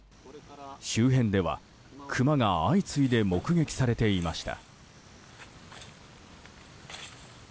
周辺ではクマが相次いで目撃されていました。